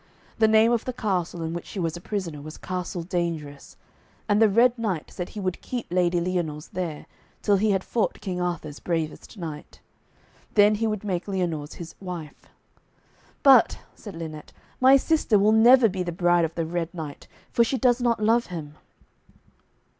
The name of the castle in which she was a prisoner was Castle Dangerous. And the Red Knight said he would keep Lady Lyonors there, till he had fought King Arthur's bravest knight. Then he would make Lyonors his wife. 'But,' said Lynette, 'my sister will never be the bride of the Red Knight, for she does not love him.'